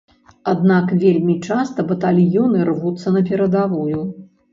Аднак вельмі часта батальёны рвуцца на перадавую.